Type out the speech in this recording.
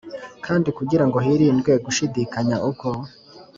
Kandi kugira ngo hirindwe gushidikanya uko